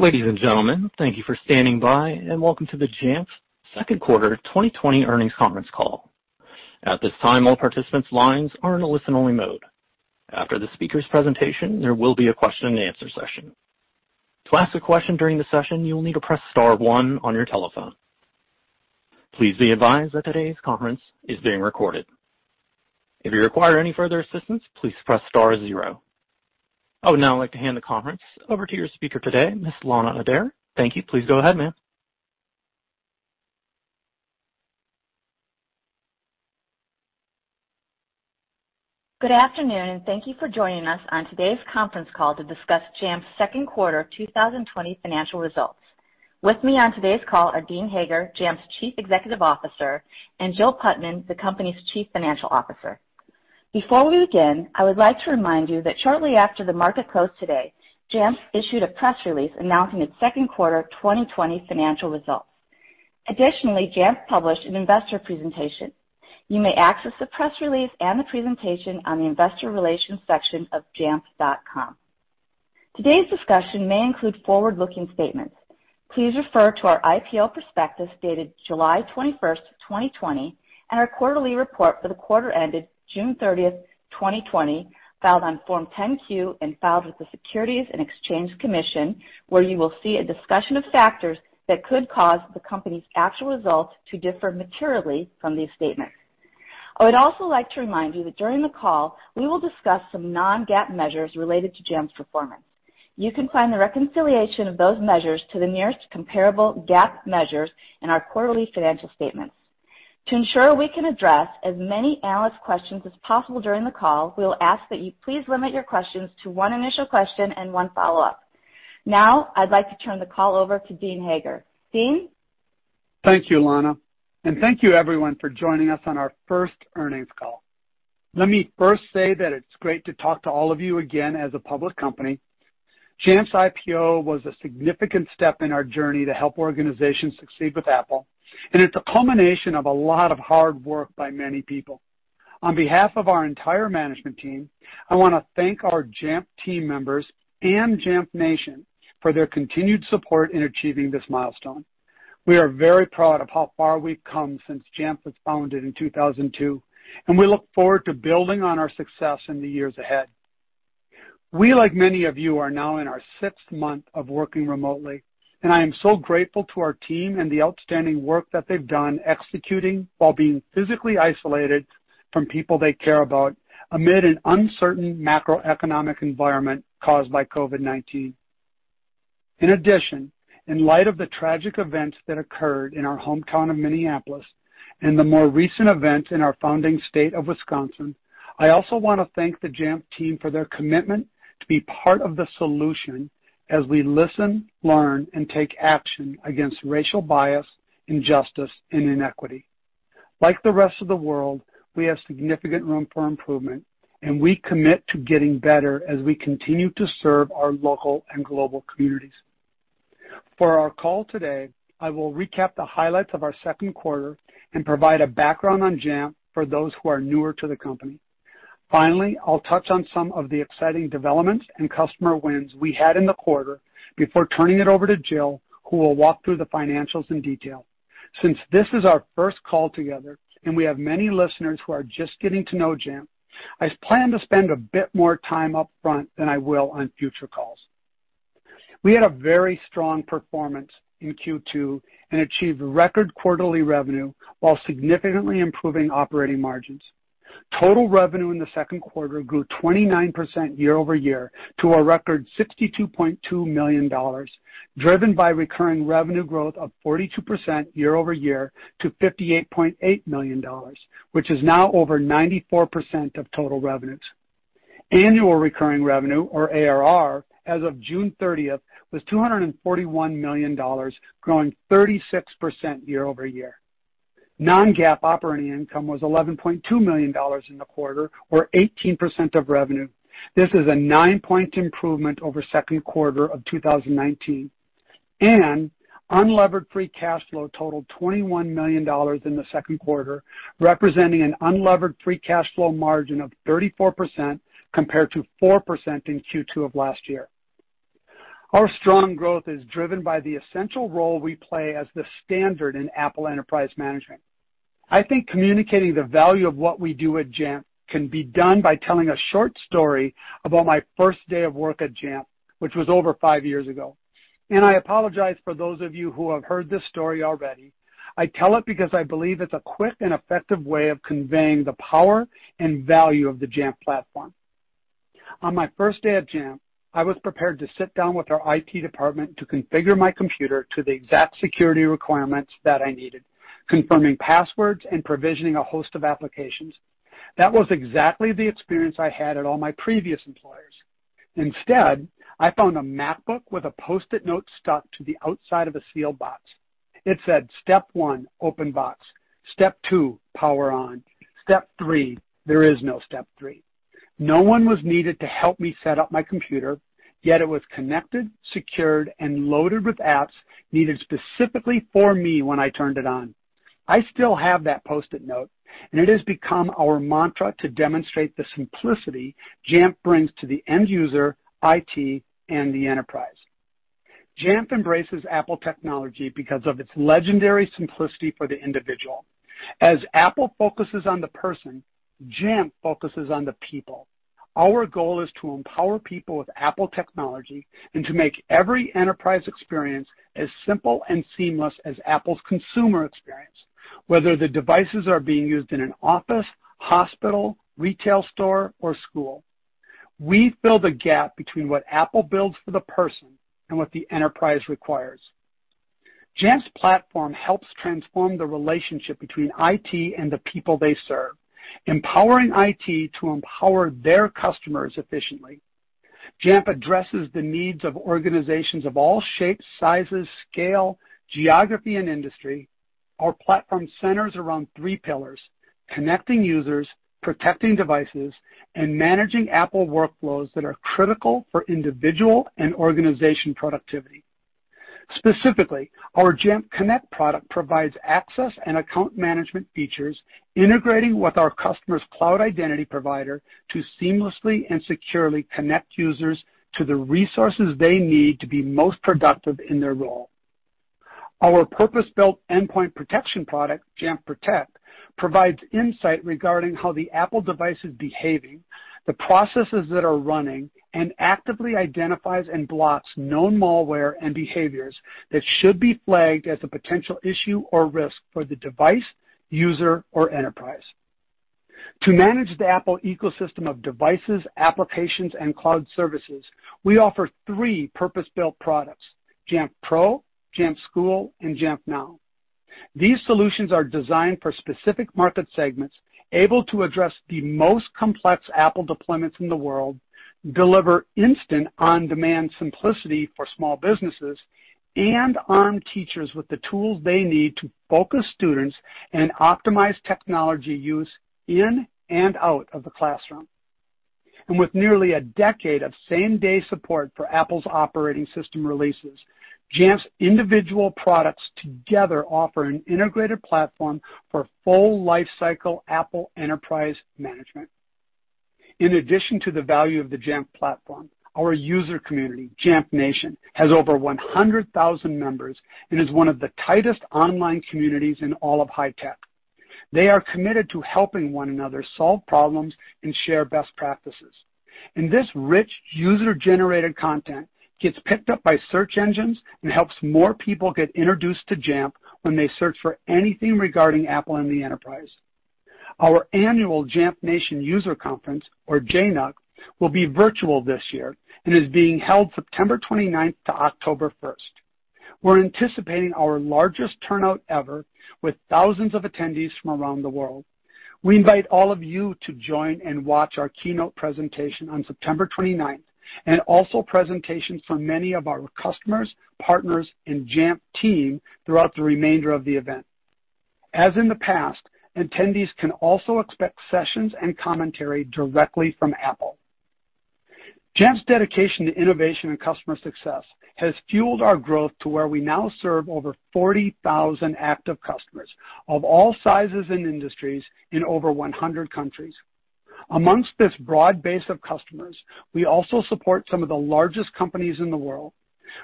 Ladies and gentlemen, thank you for standing by, and welcome to the Jamf second quarter 2020 earnings conference call. At this time, all participants' lines are in a listen-only mode. After the speaker's presentation, there will be a question and answer session. To ask a question during the session, you will need to press star, one on your telephone. Please be advised that today's conference is being recorded. If you require any further assistance, please press star, zero. I would now like to hand the conference over to your speaker today, Ms. Lana Adair. Thank you. Please go ahead, ma'am. Good afternoon, and thank you for joining us on today's conference call to discuss Jamf's second quarter 2020 financial results. With me on today's call are Dean Hager, Jamf's Chief Executive Officer, and Jill Putman, the company's Chief Financial Officer. Before we begin, I would like to remind you that shortly after the market closed today, Jamf issued a press release announcing its second quarter 2020 financial results. Additionally, Jamf published an investor presentation. You may access the press release and the presentation on the investor relations section of jamf.com. Today's discussion may include forward-looking statements. Please refer to our IPO prospectus dated July 21st, 2020, and our quarterly report for the quarter ended June 30th, 2020, filed on Form 10-Q and filed with the Securities and Exchange Commission, where you will see a discussion of factors that could cause the company's actual results to differ materially from these statements. I would also like to remind you that during the call, we will discuss some non-GAAP measures related to Jamf's performance. You can find the reconciliation of those measures to the nearest comparable GAAP measures in our quarterly financial statements. To ensure we can address as many analyst questions as possible during the call, we will ask that you please limit your questions to one initial question and one follow-up. Now, I'd like to turn the call over to Dean Hager. Dean? Thank you, Lana. Thank you, everyone, for joining us on our first earnings call. Let me first say that it's great to talk to all of you again as a public company. Jamf's IPO was a significant step in our journey to help organizations succeed with Apple, and it's a culmination of a lot of hard work by many people. On behalf of our entire management team, I want to thank our Jamf team members and Jamf Nation for their continued support in achieving this milestone. We are very proud of how far we've come since Jamf was founded in 2002, and we look forward to building on our success in the years ahead. We, like many of you, are now in our sixth month of working remotely, and I am so grateful to our team and the outstanding work that they've done executing while being physically isolated from people they care about amid an uncertain macroeconomic environment caused by COVID-19. In addition, in light of the tragic events that occurred in our hometown of Minneapolis and the more recent events in our founding state of Wisconsin, I also want to thank the Jamf team for their commitment to be part of the solution as we listen, learn, and take action against racial bias, injustice, and inequity. Like the rest of the world, we have significant room for improvement, and we commit to getting better as we continue to serve our local and global communities. For our call today, I will recap the highlights of our second quarter and provide a background on Jamf for those who are newer to the company. Finally, I'll touch on some of the exciting developments and customer wins we had in the quarter before turning it over to Jill, who will walk through the financials in detail. Since this is our first call together and we have many listeners who are just getting to know Jamf, I plan to spend a bit more time up front than I will on future calls. We had a very strong performance in Q2 and achieved record quarterly revenue while significantly improving operating margins. Total revenue in the second quarter grew 29% year-over-year to a record $62.2 million, driven by recurring revenue growth of 42% year-over-year to $58.8 million, which is now over 94% of total revenues. Annual recurring revenue, or ARR, as of June 30th, was $241 million, growing 36% year-over-year. Non-GAAP operating income was $11.2 million in the quarter, or 18% of revenue. This is a 9 percentage point improvement over second quarter of 2019. Unlevered free cash flow totaled $21 million in the second quarter, representing an unlevered free cash flow margin of 34% compared to 4% in Q2 of last year. Our strong growth is driven by the essential role we play as the standard in Apple Enterprise Management. I think communicating the value of what we do at Jamf can be done by telling a short story about my first day of work at Jamf, which was over five years ago. I apologize for those of you who have heard this story already. I tell it because I believe it's a quick and effective way of conveying the power and value of the Jamf platform. On my first day at Jamf, I was prepared to sit down with our IT department to configure my computer to the exact security requirements that I needed, confirming passwords and provisioning a host of applications. That was exactly the experience I had at all my previous employers. Instead, I found a MacBook with a Post-It Note stuck to the outside of a sealed box. It said, "Step one, open box. Step two, power on. Step three, there is no step three." No one was needed to help me set up my computer, yet it was connected, secured, and loaded with apps needed specifically for me when I turned it on. I still have that Post-It Note, and it has become our mantra to demonstrate the simplicity Jamf brings to the end user, IT, and the enterprise. Jamf embraces Apple technology because of its legendary simplicity for the individual. As Apple focuses on the person, Jamf focuses on the people. Our goal is to empower people with Apple technology and to make every enterprise experience as simple and seamless as Apple's consumer experience, whether the devices are being used in an office, hospital, retail store, or school. We fill the gap between what Apple builds for the person and what the enterprise requires. Jamf's platform helps transform the relationship between IT and the people they serve, empowering IT to empower their customers efficiently. Jamf addresses the needs of organizations of all shapes, sizes, scale, geography, and industry. Our platform centers around three pillars: connecting users, protecting devices, and managing Apple workflows that are critical for individual and organization productivity. Specifically, our Jamf Connect product provides access and account management features, integrating with our customer's cloud identity provider to seamlessly and securely connect users to the resources they need to be most productive in their role. Our purpose-built endpoint protection product, Jamf Protect, provides insight regarding how the Apple device is behaving, the processes that are running, and actively identifies and blocks known malware and behaviors that should be flagged as a potential issue or risk for the device, user, or enterprise. To manage the Apple ecosystem of devices, applications, and cloud services, we offer three purpose-built products, Jamf Pro, Jamf School, and Jamf Now. These solutions are designed for specific market segments, able to address the most complex Apple deployments in the world, deliver instant on-demand simplicity for small businesses, and arm teachers with the tools they need to focus students and optimize technology use in and out of the classroom. With nearly a decade of same-day support for Apple's operating system releases, Jamf's individual products together offer an integrated platform for full lifecycle Apple Enterprise Management. In addition to the value of the Jamf platform, our user community, Jamf Nation, has over 100,000 members and is one of the tightest online communities in all of high tech. They are committed to helping one another solve problems and share best practices. This rich user-generated content gets picked up by search engines and helps more people get introduced to Jamf when they search for anything regarding Apple in the enterprise. Our annual Jamf Nation User Conference, or JNUC, will be virtual this year and is being held September 29th to October 1st. We're anticipating our largest turnout ever, with thousands of attendees from around the world. We invite all of you to join and watch our keynote presentation on September 29th, and also presentations from many of our customers, partners, and Jamf team throughout the remainder of the event. As in the past, attendees can also expect sessions and commentary directly from Apple. Jamf's dedication to innovation and customer success has fueled our growth to where we now serve over 40,000 active customers of all sizes and industries in over 100 countries. Amongst this broad base of customers, we also support some of the largest companies in the world.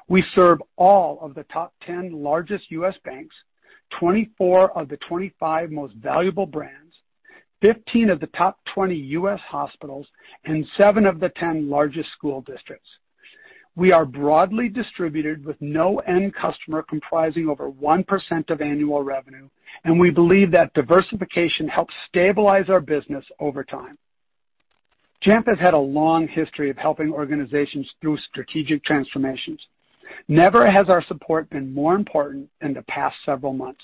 We serve all of the top 10 largest U.S. banks, 24 of the 25 most valuable brands, 15 of the top 20 U.S. hospitals, and seven of the 10 largest school districts. We are broadly distributed with no end customer comprising over 1% of annual revenue, and we believe that diversification helps stabilize our business over time. Jamf has had a long history of helping organizations through strategic transformations. Never has our support been more important than the past several months.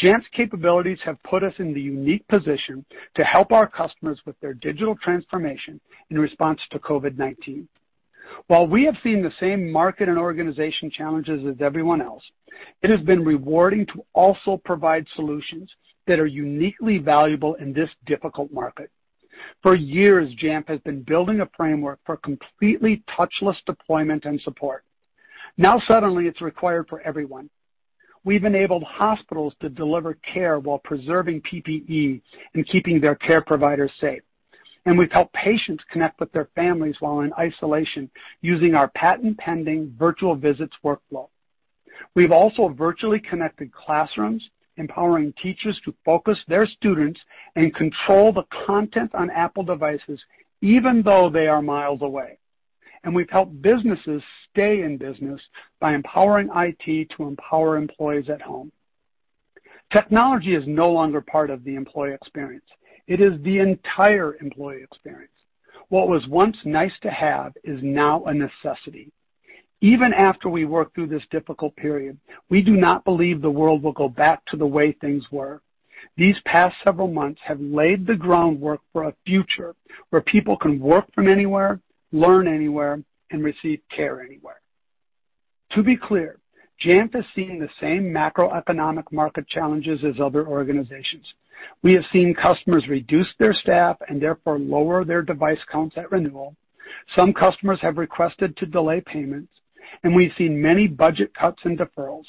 Jamf's capabilities have put us in the unique position to help our customers with their digital transformation in response to COVID-19. While we have seen the same market and organization challenges as everyone else, it has been rewarding to also provide solutions that are uniquely valuable in this difficult market. For years, Jamf has been building a framework for completely touchless deployment and support. Now, suddenly, it's required for everyone. We've enabled hospitals to deliver care while preserving PPE and keeping their care providers safe. We've helped patients connect with their families while in isolation using our patent-pending virtual visits workflow. We've also virtually connected classrooms, empowering teachers to focus their students and control the content on Apple devices even though they are miles away. We've helped businesses stay in business by empowering IT to empower employees at home. Technology is no longer part of the employee experience. It is the entire employee experience. What was once nice to have is now a necessity. Even after we work through this difficult period, we do not believe the world will go back to the way things were. These past several months have laid the groundwork for a future where people can work from anywhere, learn anywhere, and receive care anywhere. To be clear, Jamf is seeing the same macroeconomic market challenges as other organizations. We have seen customers reduce their staff and therefore lower their device counts at renewal. Some customers have requested to delay payments, and we've seen many budget cuts and deferrals.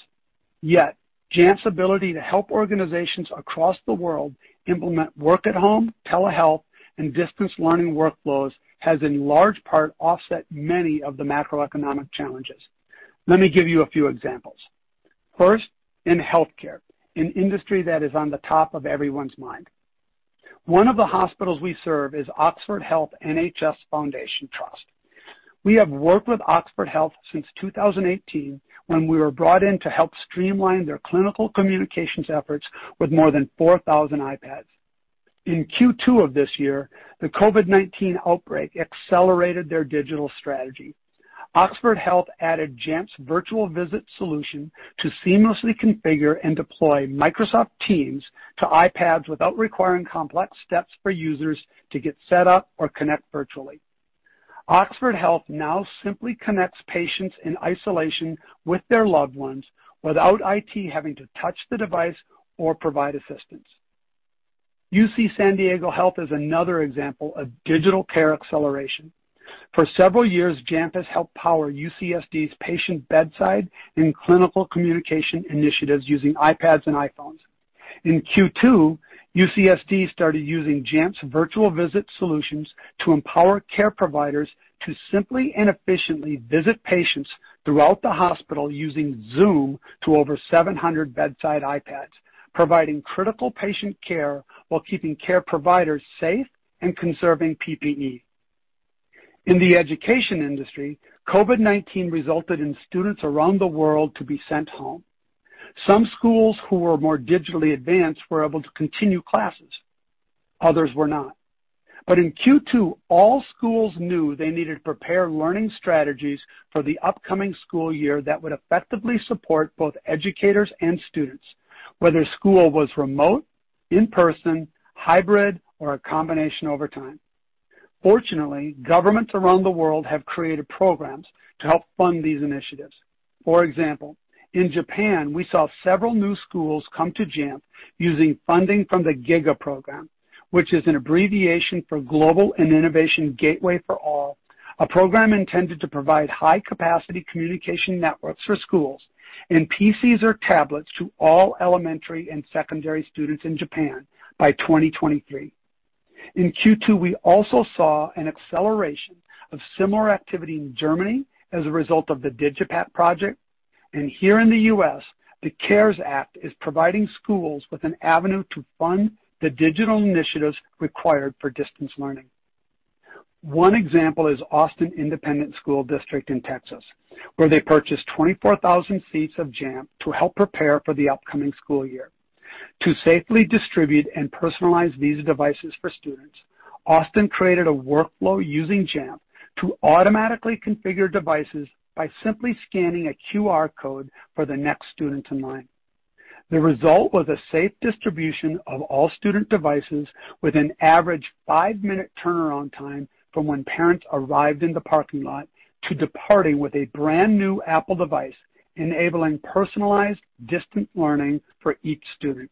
Yet Jamf's ability to help organizations across the world implement work at home, telehealth, and distance learning workflows has in large part offset many of the macroeconomic challenges. Let me give you a few examples. First, in healthcare, an industry that is on the top of everyone's mind. One of the hospitals we serve is Oxford Health NHS Foundation Trust. We have worked with Oxford Health since 2018 when we were brought in to help streamline their clinical communications efforts with more than 4,000 iPads. In Q2 of this year, the COVID-19 outbreak accelerated their digital strategy. Oxford Health added Jamf's virtual visit solution to seamlessly configure and deploy Microsoft Teams to iPads without requiring complex steps for users to get set up or connect virtually. Oxford Health now simply connects patients in isolation with their loved ones without IT having to touch the device or provide assistance. UC San Diego Health is another example of digital care acceleration. For several years, Jamf has helped power UCSD's patient bedside and clinical communication initiatives using iPads and iPhones. In Q2, UCSD started using Jamf's virtual visit solutions to empower care providers to simply and efficiently visit patients throughout the hospital using Zoom to over 700 bedside iPads, providing critical patient care while keeping care providers safe and conserving PPE. In the education industry, COVID-19 resulted in students around the world to be sent home. Some schools who were more digitally advanced were able to continue classes, others were not. In Q2, all schools knew they needed to prepare learning strategies for the upcoming school year that would effectively support both educators and students, whether school was remote, in-person, hybrid, or a combination over time. Fortunately, governments around the world have created programs to help fund these initiatives. For example, in Japan, we saw several new schools come to Jamf using funding from the GIGA program, which is an abbreviation for Global and Innovation Gateway for All, a program intended to provide high-capacity communication networks for schools and PCs or tablets to all elementary and secondary students in Japan by 2023. In Q2, we also saw an acceleration of similar activity in Germany as a result of the DigitalPakt project. Here in the U.S., the CARES Act is providing schools with an avenue to fund the digital initiatives required for distance learning. One example is Austin Independent School District in Texas, where they purchased 24,000 seats of Jamf to help prepare for the upcoming school year. To safely distribute and personalize these devices for students, Austin created a workflow using Jamf to automatically configure devices by simply scanning a QR code for the next student in line. The result was a safe distribution of all student devices with an average five-minute turnaround time from when parents arrived in the parking lot to departing with a brand-new Apple device, enabling personalized distant learning for each student.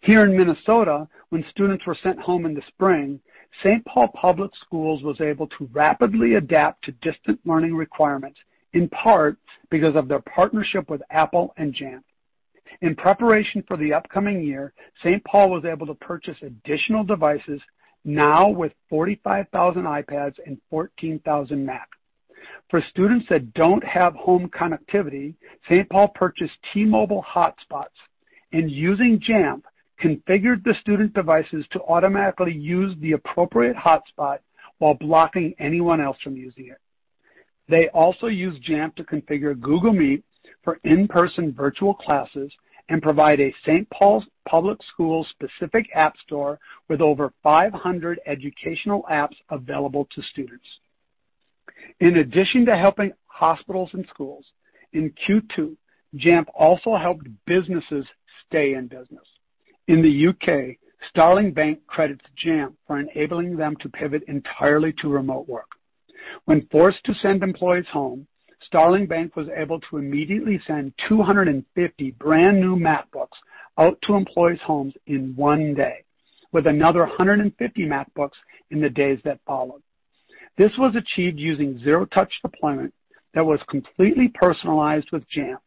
Here in Minnesota, when students were sent home in the spring, Saint Paul Public Schools was able to rapidly adapt to distant learning requirements, in part because of their partnership with Apple and Jamf. In preparation for the upcoming year, St. Paul was able to purchase additional devices, now with 45,000 iPads and 14,000 Macs. For students that don't have home connectivity, St. Paul purchased T-Mobile hotspots and, using Jamf, configured the student devices to automatically use the appropriate hotspot while blocking anyone else from using it. They also used Jamf to configure Google Meet for in-person virtual classes and provide a Saint Paul's Public Schools specific app store with over 500 educational apps available to students. In addition to helping hospitals and schools, in Q2, Jamf also helped businesses stay in business. In the U.K., Starling Bank credits Jamf for enabling them to pivot entirely to remote work. When forced to send employees home, Starling Bank was able to immediately send 250 brand-new MacBooks out to employees' homes in one day, with another 150 MacBooks in the days that followed. This was achieved using zero-touch deployment that was completely personalized with Jamf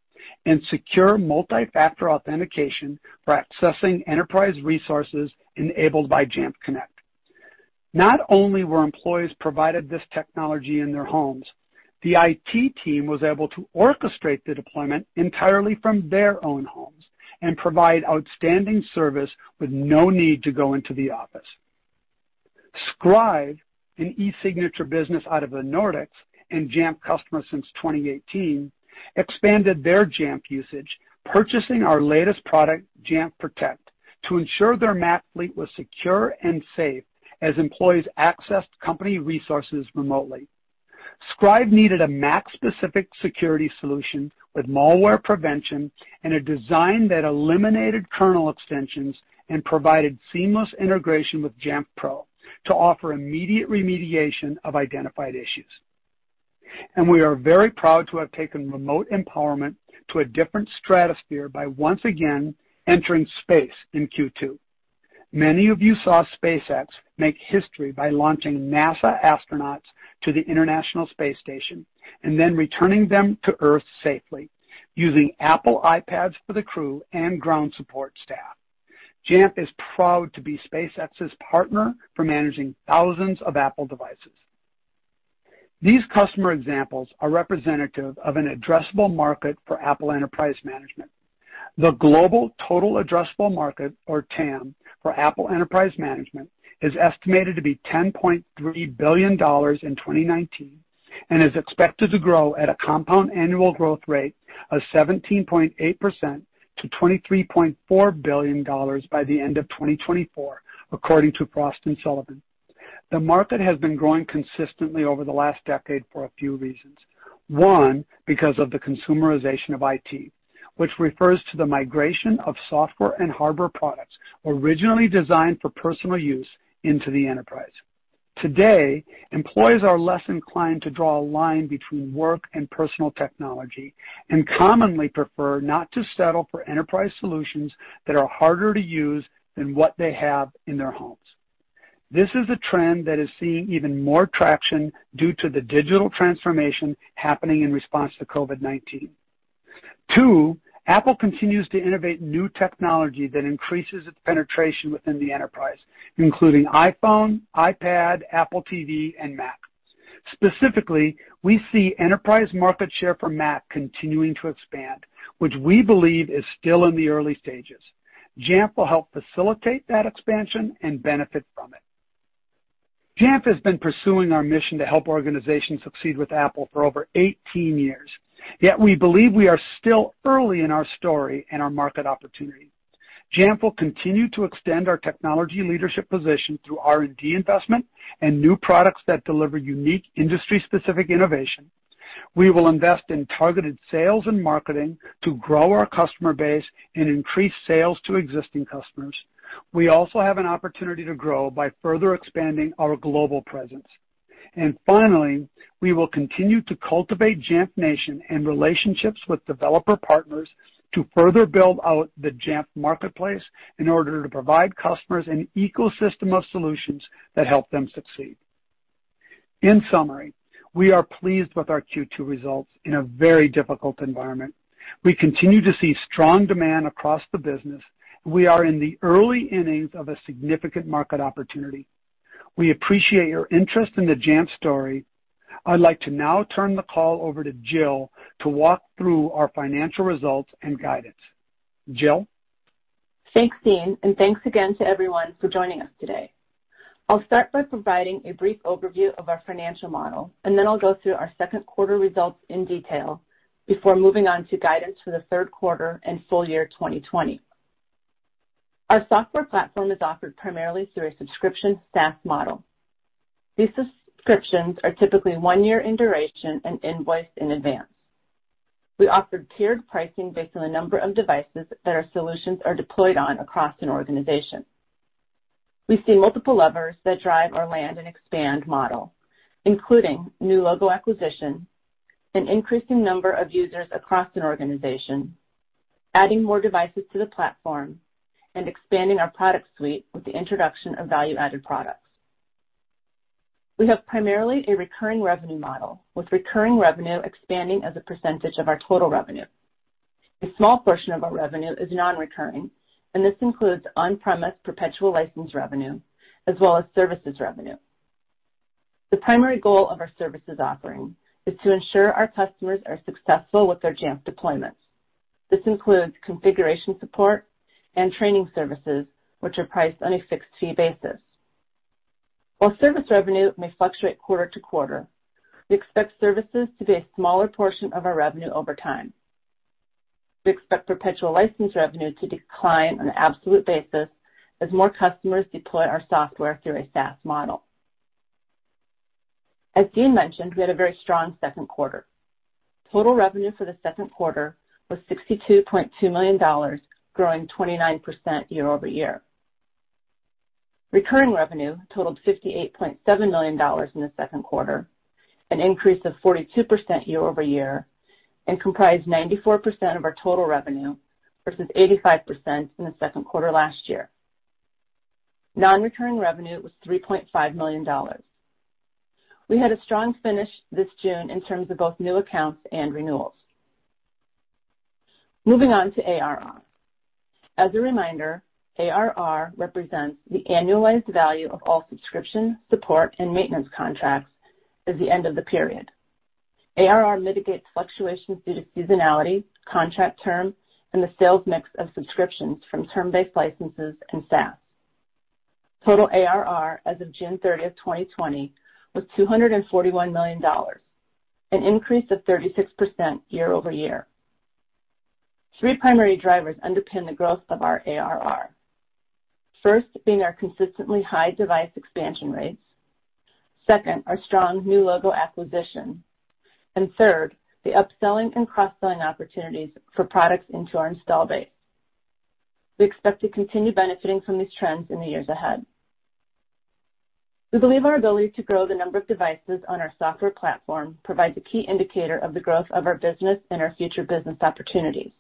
and secure multi-factor authentication for accessing enterprise resources enabled by Jamf Connect. Not only were employees provided this technology in their homes, the IT team was able to orchestrate the deployment entirely from their own homes and provide outstanding service with no need to go into the office. Scrive, an e-signature business out of the Nordics and Jamf customer since 2018, expanded their Jamf usage, purchasing our latest product, Jamf Protect, to ensure their Mac fleet was secure and safe as employees accessed company resources remotely. Scrive needed a Mac-specific security solution with malware prevention and a design that eliminated kernel extensions and provided seamless integration with Jamf Pro to offer immediate remediation of identified issues. We are very proud to have taken remote empowerment to a different stratosphere by once again entering space in Q2. Many of you saw SpaceX make history by launching NASA astronauts to the International Space Station, and then returning them to Earth safely using Apple iPads for the crew and ground support staff. Jamf is proud to be SpaceX's partner for managing thousands of Apple devices. These customer examples are representative of an addressable market for Apple Enterprise Management. The global total addressable market, or TAM, for Apple Enterprise Management is estimated to be $10.3 billion in 2019, and is expected to grow at a compound annual growth rate of 17.8% to $23.4 billion by the end of 2024, according to Frost & Sullivan. The market has been growing consistently over the last decade for a few reasons. One, because of the consumerization of IT, which refers to the migration of software and hardware products originally designed for personal use into the enterprise. Today, employees are less inclined to draw a line between work and personal technology, and commonly prefer not to settle for enterprise solutions that are harder to use than what they have in their homes. This is a trend that is seeing even more traction due to the digital transformation happening in response to COVID-19. Two, Apple continues to innovate new technology that increases its penetration within the enterprise, including iPhone, iPad, Apple TV, and Mac. Specifically, we see enterprise market share for Mac continuing to expand, which we believe is still in the early stages. Jamf will help facilitate that expansion and benefit from it. Jamf has been pursuing our mission to help organizations succeed with Apple for over 18 years. Yet we believe we are still early in our story and our market opportunity. Jamf will continue to extend our technology leadership position through R&D investment and new products that deliver unique industry-specific innovation. We will invest in targeted sales and marketing to grow our customer base and increase sales to existing customers. We also have an opportunity to grow by further expanding our global presence. Finally, we will continue to cultivate Jamf Nation and relationships with developer partners to further build out the Jamf Marketplace in order to provide customers an ecosystem of solutions that help them succeed. In summary, we are pleased with our Q2 results in a very difficult environment. We continue to see strong demand across the business. We are in the early innings of a significant market opportunity. We appreciate your interest in the Jamf story. I'd like to now turn the call over to Jill to walk through our financial results and guidance. Jill? Thanks, Dean, and thanks again to everyone for joining us today. I'll start by providing a brief overview of our financial model, and then I'll go through our second quarter results in detail before moving on to guidance for the third quarter and full year 2020. Our software platform is offered primarily through a subscription SaaS model. These subscriptions are typically one year in duration and invoiced in advance. We offer tiered pricing based on the number of devices that our solutions are deployed on across an organization. We see multiple levers that drive our land and expand model, including new logo acquisition, an increasing number of users across an organization, adding more devices to the platform, and expanding our product suite with the introduction of value-added products. We have primarily a recurring revenue model, with recurring revenue expanding as a percentage of our total revenue. A small portion of our revenue is non-recurring, and this includes on-premise perpetual license revenue, as well as services revenue. The primary goal of our services offering is to ensure our customers are successful with their Jamf deployments. This includes configuration support and training services, which are priced on a fixed-fee basis. While service revenue may fluctuate quarter to quarter, we expect services to be a smaller portion of our revenue over time. We expect perpetual license revenue to decline on an absolute basis as more customers deploy our software through a SaaS model. As Dean mentioned, we had a very strong second quarter. Total revenue for the second quarter was $62.2 million, growing 29% year-over-year. Recurring revenue totaled $58.7 million in the second quarter, an increase of 42% year-over-year, and comprised 94% of our total revenue versus 85% in the second quarter last year. Non-recurring revenue was $3.5 million. We had a strong finish this June in terms of both new accounts and renewals. Moving on to ARR. As a reminder, ARR represents the annualized value of all subscription, support, and maintenance contracts at the end of the period. ARR mitigates fluctuations due to seasonality, contract term, and the sales mix of subscriptions from term-based licenses and SaaS. Total ARR as of June 30th, 2020, was $241 million, an increase of 36% year-over-year. Three primary drivers underpin the growth of our ARR. First, being our consistently high device expansion rates. Second, our strong new logo acquisition. Third, the upselling and cross-selling opportunities for products into our install base. We expect to continue benefiting from these trends in the years ahead. We believe our ability to grow the number of devices on our software platform provides a key indicator of the growth of our business and our future business opportunities.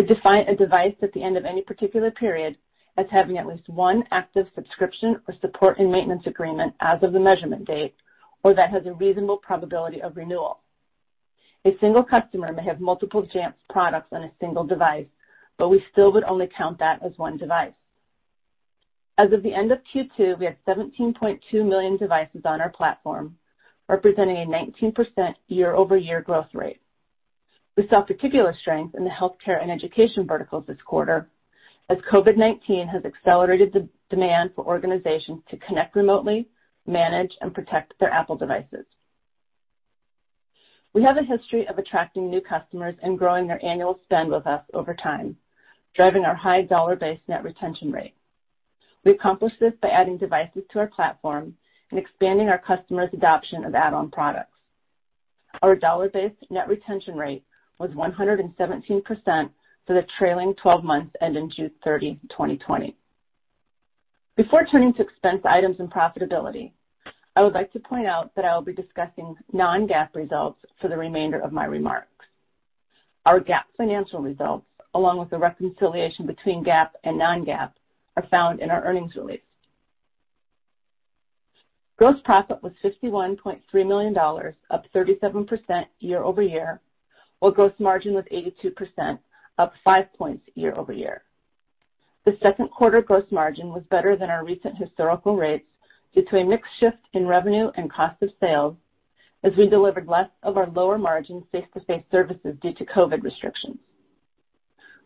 We define a device at the end of any particular period as having at least one active subscription or support and maintenance agreement as of the measurement date, or that has a reasonable probability of renewal. A single customer may have multiple Jamf products on a single device, but we still would only count that as one device. As of the end of Q2, we had 17.2 million devices on our platform, representing a 19% year-over-year growth rate. We saw particular strength in the healthcare and education verticals this quarter, as COVID-19 has accelerated the demand for organizations to connect remotely, manage, and protect their Apple devices. We have a history of attracting new customers and growing their annual spend with us over time, driving our high dollar-based net retention rate. We accomplish this by adding devices to our platform and expanding our customers' adoption of add-on products. Our dollar-based net retention rate was 117% for the trailing 12 months ending June 30, 2020. Before turning to expense items and profitability, I would like to point out that I will be discussing non-GAAP results for the remainder of my remarks. Our GAAP financial results, along with the reconciliation between GAAP and non-GAAP, are found in our earnings release. Gross profit was $61.3 million, up 37% year-over-year, while gross margin was 82%, up 5 percentage points year-over-year. The second quarter gross margin was better than our recent historical rates due to a mix shift in revenue and cost of sales as we delivered less of our lower-margin face-to-face services due to COVID restrictions.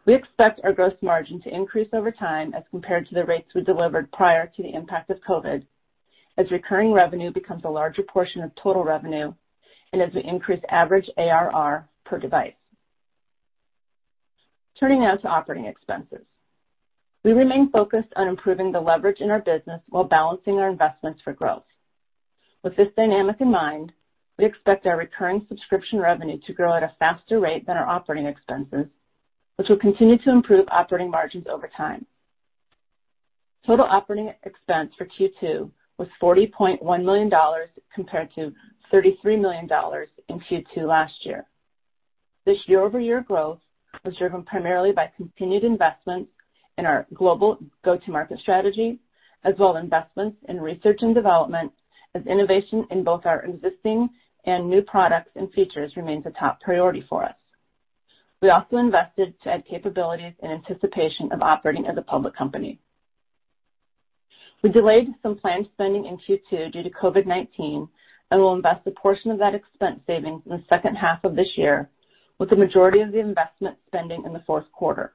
We expect our gross margin to increase over time as compared to the rates we delivered prior to the impact of COVID, as recurring revenue becomes a larger portion of total revenue and as we increase average ARR per device. Turning now to operating expenses. We remain focused on improving the leverage in our business while balancing our investments for growth. With this dynamic in mind, we expect our recurring subscription revenue to grow at a faster rate than our operating expenses, which will continue to improve operating margins over time. Total operating expense for Q2 was $40.1 million, compared to $33 million in Q2 last year. This year-over-year growth was driven primarily by continued investments in our global go-to-market strategy, as well as investments in research and development, as innovation in both our existing and new products and features remains a top priority for us. We also invested to add capabilities in anticipation of operating as a public company. We delayed some planned spending in Q2 due to COVID-19. We'll invest a portion of that expense savings in the second half of this year, with the majority of the investment spending in the fourth quarter.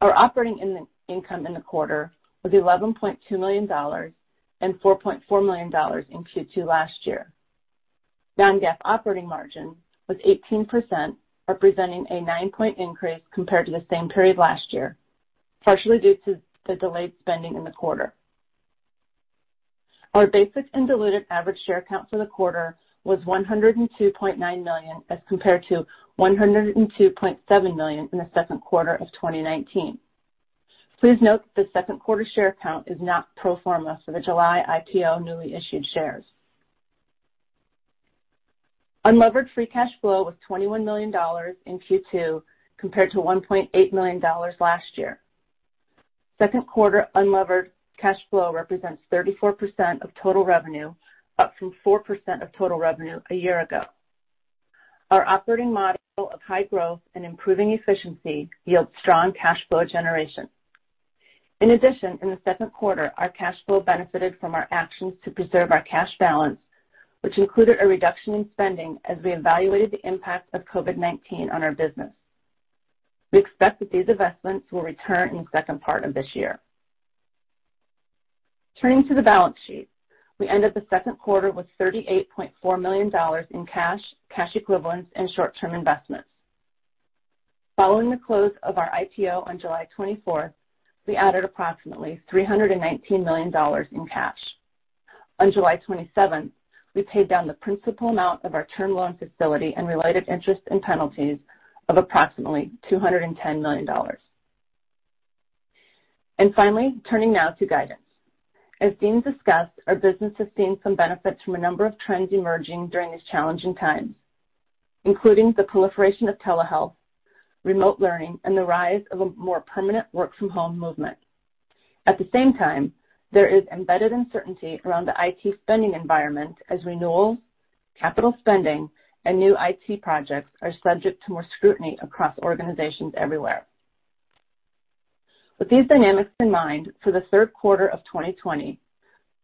Our operating income in the quarter was $11.2 million and $4.4 million in Q2 last year. Non-GAAP operating margin was 18%, representing 9 percentage points increase compared to the same period last year, partially due to the delayed spending in the quarter. Our basic and diluted average share count for the quarter was 102.9 million as compared to 102.7 million in the second quarter of 2019. Please note that the second quarter share count is not pro forma for the July IPO newly issued shares. Unlevered free cash flow was $21 million in Q2 compared to $1.8 million last year. Second quarter unlevered cash flow represents 34% of total revenue, up from 4% of total revenue a year ago. Our operating model of high growth and improving efficiency yield strong cash flow generation. In addition, in the second quarter, our cash flow benefited from our actions to preserve our cash balance, which included a reduction in spending as we evaluated the impact of COVID-19 on our business. We expect that these investments will return in the second part of this year. Turning to the balance sheet. We end the second quarter with $38.4 million in cash equivalents, and short-term investments. Following the close of our IPO on July 24th, we added approximately $319 million in cash. On July 27th, we paid down the principal amount of our term loan facility and related interest and penalties of approximately $210 million. Finally, turning now to guidance. As Dean discussed, our business has seen some benefit from a number of trends emerging during these challenging times, including the proliferation of telehealth, remote learning, and the rise of a more permanent work-from-home movement. At the same time, there is embedded uncertainty around the IT spending environment as renewals, capital spending, and new IT projects are subject to more scrutiny across organizations everywhere. With these dynamics in mind, for the third quarter of 2020,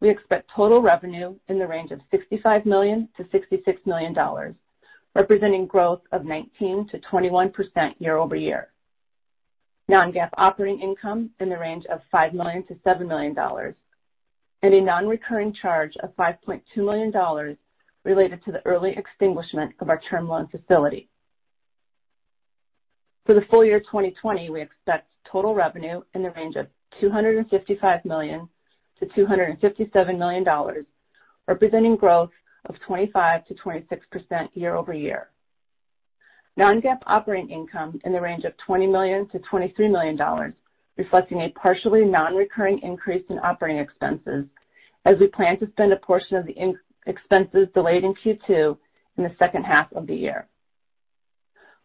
we expect total revenue in the range of $65 million-$66 million, representing growth of 19%-21% year-over-year, non-GAAP operating income in the range of $5 million-$7 million, and a non-recurring charge of $5.2 million related to the early extinguishment of our term loan facility. For the full year 2020, we expect total revenue in the range of $255 million-$257 million. Representing growth of 25%-26% year-over-year. Non-GAAP operating income in the range of $20 million-$23 million, reflecting a partially non-recurring increase in operating expenses as we plan to spend a portion of the expenses delayed in Q2 in the second half of the year.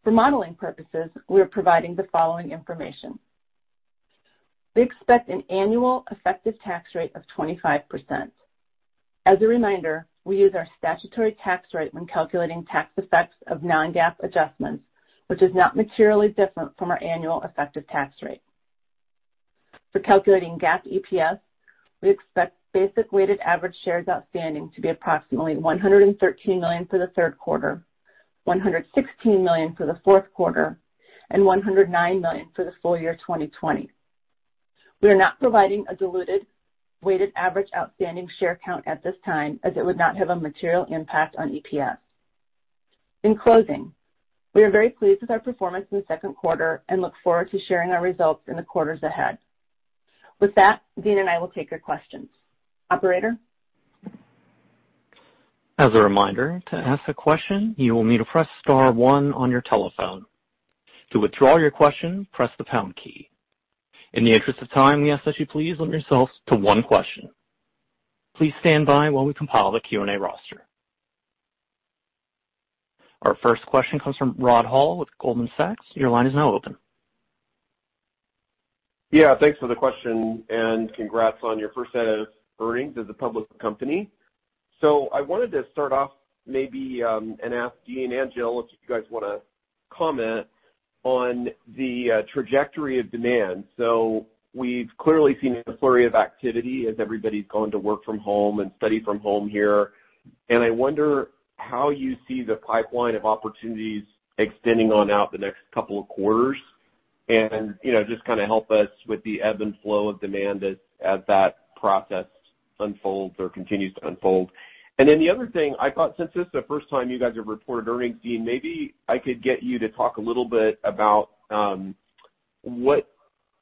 For modeling purposes, we are providing the following information. We expect an annual effective tax rate of 25%. As a reminder, we use our statutory tax rate when calculating tax effects of non-GAAP adjustments, which is not materially different from our annual effective tax rate. For calculating GAAP EPS, we expect basic weighted average shares outstanding to be approximately 113 million for the third quarter, 116 million for the fourth quarter, and 109 million for the full year 2020. We are not providing a diluted weighted average outstanding share count at this time, as it would not have a material impact on EPS. In closing, we are very pleased with our performance in the second quarter and look forward to sharing our results in the quarters ahead. With that, Dean and I will take your questions. Operator? As a reminder, to ask a question, you will need to press star, one on your telephone. To withdraw your question, press the pound key. In the interest of time, we ask that you please limit yourselves to one question. Please stand by while we compile the Q&A roster. Our first question comes from Rod Hall with Goldman Sachs. Your line is now open. Thanks for the question, and congrats on your first set of earnings as a public company. I wanted to start off maybe and ask Dean and Jill if you guys want to comment on the trajectory of demand. We've clearly seen a flurry of activity as everybody's gone to work from home and study from home here, and I wonder how you see the pipeline of opportunities extending on out the next couple of quarters and just kind of help us with the ebb and flow of demand as that process unfolds or continues to unfold. The other thing, I thought since this is the first time you guys have reported earnings, Dean, maybe I could get you to talk a little bit about what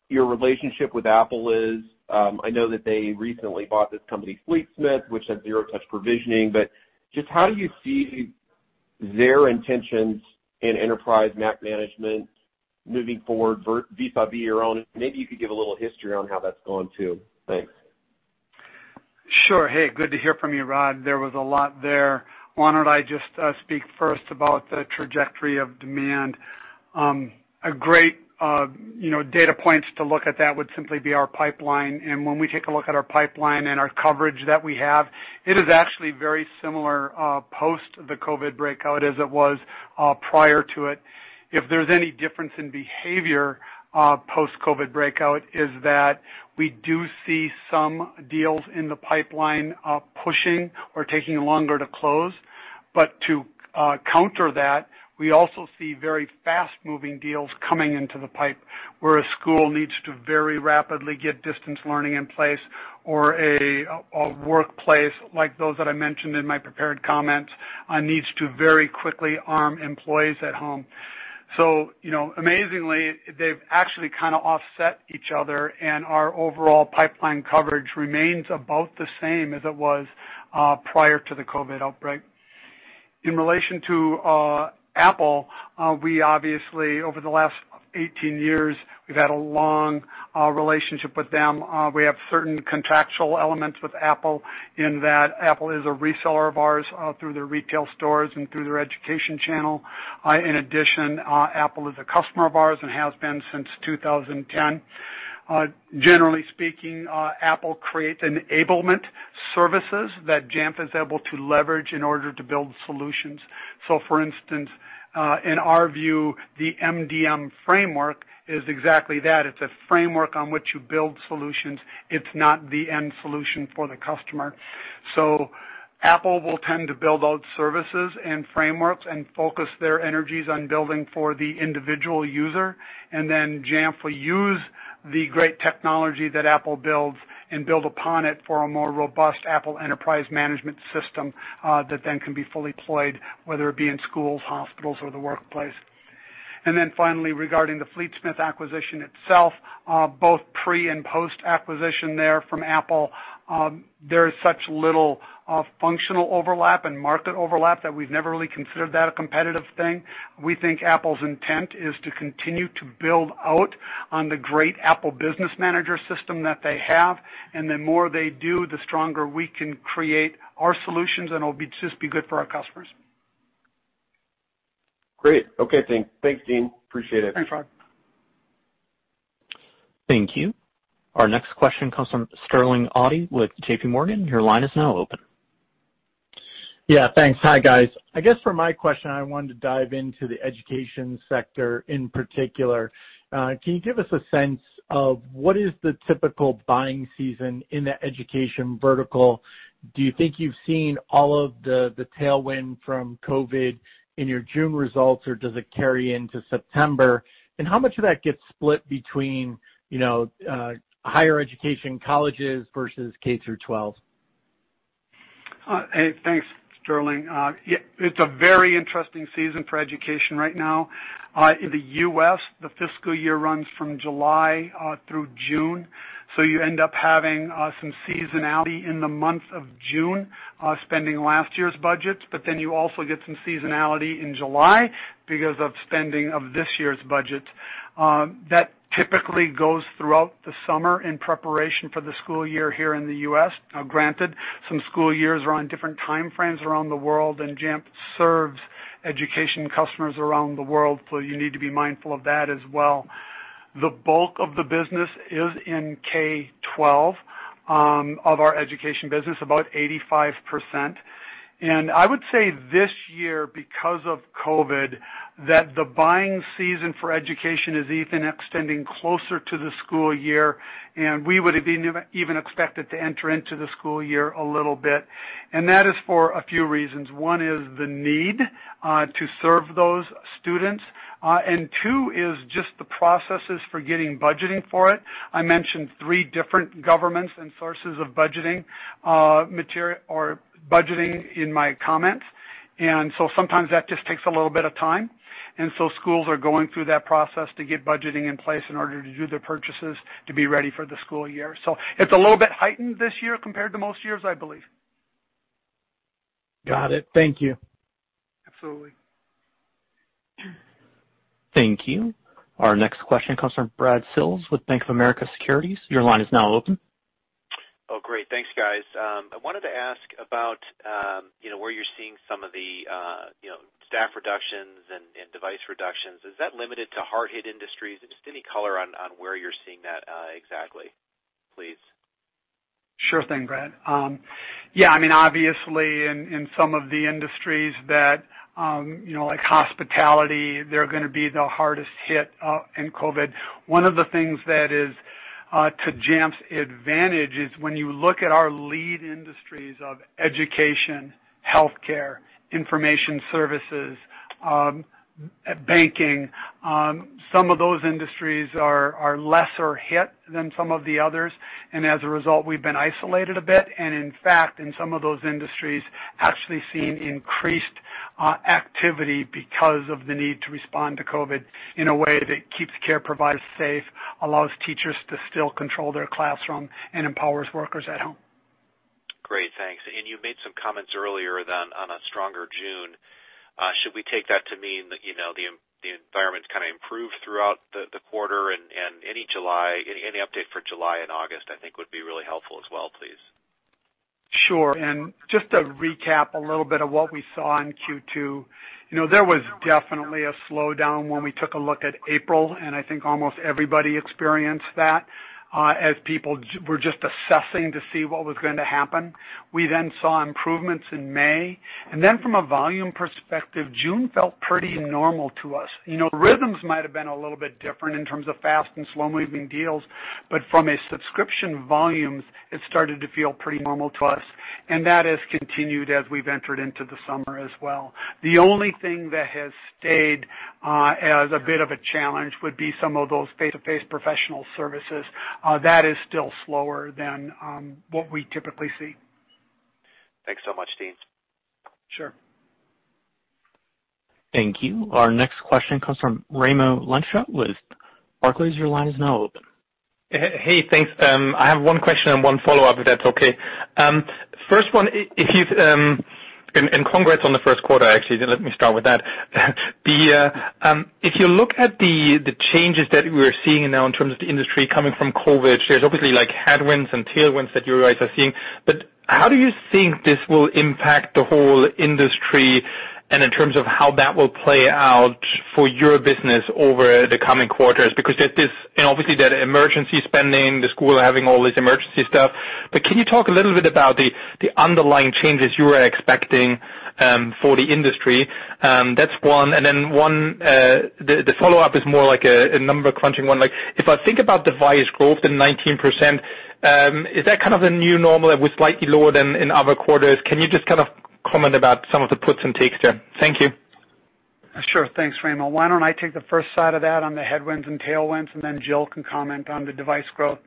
your relationship with Apple is. I know that they recently bought this company, Fleetsmith, which has zero-touch deployment. Just how do you see their intentions in enterprise Mac management moving forward vis-a-vis your own? Maybe you could give a little history on how that's going, too. Thanks. Sure. Hey, good to hear from you, Rod. There was a lot there. Why don't I just speak first about the trajectory of demand? A great data point to look at that would simply be our pipeline. When we take a look at our pipeline and our coverage that we have, it is actually very similar post the COVID breakout as it was prior to it. If there's any difference in behavior post-COVID breakout is that we do see some deals in the pipeline pushing or taking longer to close. To counter that, we also see very fast-moving deals coming into the pipe where a school needs to very rapidly get distance learning in place or a workplace like those that I mentioned in my prepared comments needs to very quickly arm employees at home. Amazingly, they've actually kind of offset each other, and our overall pipeline coverage remains about the same as it was prior to the COVID outbreak. In relation to Apple, we obviously, over the last 18 years, we've had a long relationship with them. We have certain contractual elements with Apple in that Apple is a reseller of ours through their retail stores and through their education channel. In addition, Apple is a customer of ours and has been since 2010. Generally speaking, Apple creates enablement services that Jamf is able to leverage in order to build solutions. For instance, in our view, the MDM framework is exactly that. It's a framework on which you build solutions. It's not the end solution for the customer. Apple will tend to build out services and frameworks and focus their energies on building for the individual user, and then Jamf will use the great technology that Apple builds and build upon it for a more robust Apple Enterprise management system that then can be fully deployed, whether it be in schools, hospitals, or the workplace. Finally, regarding the Fleetsmith acquisition itself, both pre and post-acquisition there from Apple, there is such little functional overlap and market overlap that we've never really considered that a competitive thing. We think Apple's intent is to continue to build out on the great Apple Business Manager system that they have, and the more they do, the stronger we can create our solutions, and it'll just be good for our customers. Great. Okay, thanks, Dean. Appreciate it. Thanks, Rod. Thank you. Our next question comes from Sterling Auty with JPMorgan. Your line is now open. Thanks. Hi, guys. I guess for my question, I wanted to dive into the education sector in particular. Can you give us a sense of what is the typical buying season in the education vertical? Do you think you've seen all of the tailwind from COVID in your June results, or does it carry into September? How much of that gets split between higher education colleges versus K-12? Hey, thanks Sterling, it's a very interesting season for education right now. In the U.S., the fiscal year runs from July through June, so you end up having some seasonality in the month of June, spending last year's budgets, but then you also get some seasonality in July because of spending of this year's budget. That typically goes throughout the summer in preparation for the school year here in the U.S. Now granted, some school years are on different time frames around the world, and Jamf serves education customers around the world, so you need to be mindful of that as well. The bulk of the business is in K-12 of our education business, about 85%. I would say this year, because of COVID, that the buying season for education is even extending closer to the school year, and we would even expect it to enter into the school year a little bit. That is for a few reasons. One is the need to serve those students, and two is just the processes for getting budgeting for it. I mentioned three different governments and sources of budgeting in my comments, and so sometimes that just takes a little bit of time. Schools are going through that process to get budgeting in place in order to do their purchases to be ready for the school year. It's a little bit heightened this year compared to most years, I believe. Got it. Thank you. Absolutely. Thank you. Our next question comes from Brad Sills with Bank of America Securities. Your line is now open. Oh, great. Thanks, guys. I wanted to ask about where you're seeing some of the staff reductions and device reductions. Is that limited to hard-hit industries? Just any color on where you're seeing that exactly, please. Sure thing, Brad. Yeah, obviously in some of the industries like hospitality, they're going to be the hardest hit in COVID. One of the things that is to Jamf's advantage is when you look at our lead industries of education, healthcare, information services, banking, some of those industries are lesser hit than some of the others. As a result, we've been isolated a bit. In fact, in some of those industries, actually seen increased activity because of the need to respond to COVID in a way that keeps care providers safe, allows teachers to still control their classroom, and empowers workers at home. Great, thanks. You made some comments earlier then on a stronger June. Should we take that to mean that the environment's kind of improved throughout the quarter? Any update for July and August, I think, would be really helpful as well, please. Sure. Just to recap a little bit of what we saw in Q2. There was definitely a slowdown when we took a look at April, and I think almost everybody experienced that as people were just assessing to see what was going to happen. We saw improvements in May, and then from a volume perspective, June felt pretty normal to us. Rhythms might've been a little bit different in terms of fast and slow-moving deals, but from a subscription volume, it started to feel pretty normal to us, and that has continued as we've entered into the summer as well. The only thing that has stayed as a bit of a challenge would be some of those face-to-face professional services. That is still slower than what we typically see. Thanks so much, Dean. Sure. Thank you. Our next question comes from Raimo Lenschow with Barclays. Your line is now open. Hey, thanks. I have one question and one follow-up, if that's okay. First one. Congrats on the first quarter, actually. Let me start with that. If you look at the changes that we're seeing now in terms of the industry coming from COVID, there's obviously headwinds and tailwinds that you guys are seeing. How do you think this will impact the whole industry and in terms of how that will play out for your business over the coming quarters? Obviously that emergency spending, the school having all this emergency stuff. Can you talk a little bit about the underlying changes you are expecting for the industry? That's one. The follow-up is more like a number-crunching one. If I think about device growth in 19%, is that kind of the new normal that was slightly lower than in other quarters? Can you just comment about some of the puts and takes there? Thank you. Sure, thanks, Raimo. Why don't I take the first side of that on the headwinds and tailwinds, and then Jill can comment on the device growth.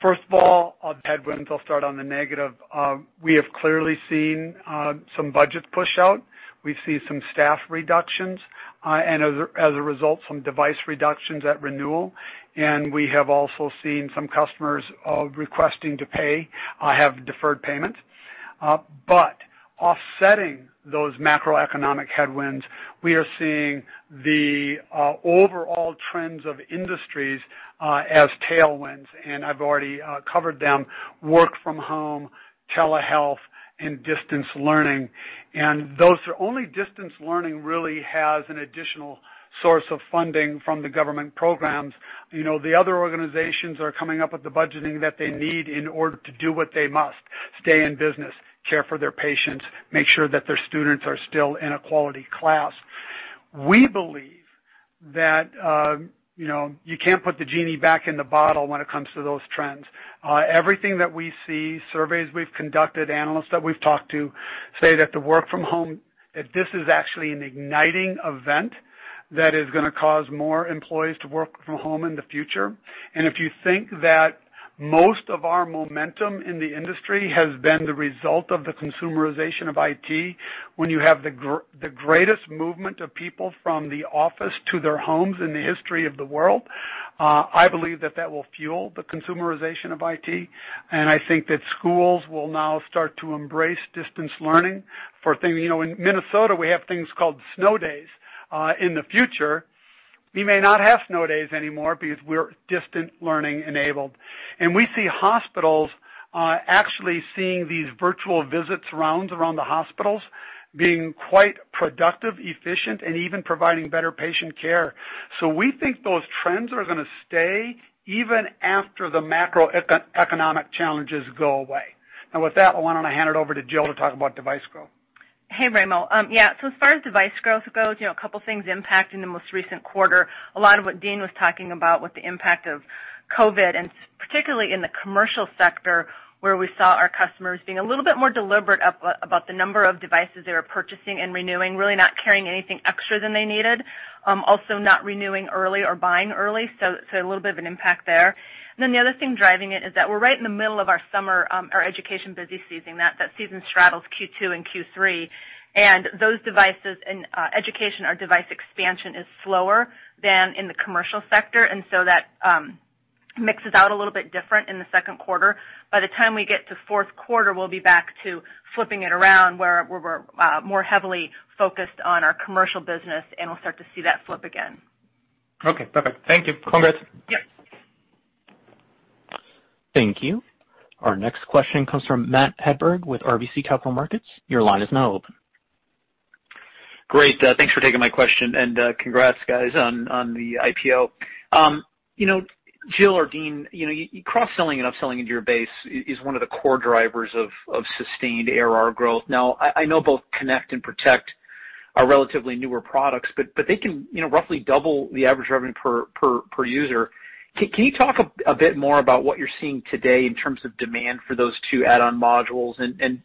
First of all, on headwinds, I'll start on the negative. We have clearly seen some budget push out. We've seen some staff reductions, and as a result, some device reductions at renewal. We have also seen some customers requesting to pay, have deferred payment. Offsetting those macroeconomic headwinds, we are seeing the overall trends of industries as tailwinds, and I've already covered them: work from home, telehealth, and distance learning. Only distance learning really has an additional source of funding from the government programs. The other organizations are coming up with the budgeting that they need in order to do what they must: stay in business, care for their patients, make sure that their students are still in a quality class. We believe that you can't put the genie back in the bottle when it comes to those trends. Everything that we see, surveys we've conducted, analysts that we've talked to say that the work from home, that this is actually an igniting event that is going to cause more employees to work from home in the future. If you think that most of our momentum in the industry has been the result of the consumerization of IT, when you have the greatest movement of people from the office to their homes in the history of the world, I believe that that will fuel the consumerization of IT. I think that schools will now start to embrace distance learning. In Minnesota, we have things called snow days. In the future, we may not have snow days anymore because we're distance learning enabled. We see hospitals are actually seeing these virtual visits rounds around the hospitals being quite productive, efficient, and even providing better patient care. We think those trends are going to stay even after the macroeconomic challenges go away. Now, with that, why don't I hand it over to Jill to talk about device growth? Hey, Raimo. As far as device growth goes, a couple things impacting the most recent quarter, a lot of what Dean was talking about with the impact of COVID, and particularly in the commercial sector, where we saw our customers being a little bit more deliberate about the number of devices they were purchasing and renewing, really not carrying anything extra than they needed. Also not renewing early or buying early, a little bit of an impact there. The other thing driving it is that we're right in the middle of our summer, our education busy season. That season straddles Q2 and Q3. Those devices in education, our device expansion is slower than in the commercial sector. That mixes out a little bit different in the second quarter. By the time we get to fourth quarter, we'll be back to flipping it around, where we're more heavily focused on our commercial business, and we'll start to see that flip again. Okay, perfect. Thank you. Congrats. Yes. Thank you. Our next question comes from Matt Hedberg with RBC Capital Markets. Your line is now open. Great, thanks for taking my question. Congrats, guys, on the IPO. Jill or Dean, cross-selling and upselling into your base is one of the core drivers of sustained ARR growth. I know both Connect and Protect are relatively newer products. They can roughly double the average revenue per user. Can you talk a bit more about what you're seeing today in terms of demand for those two add-on modules,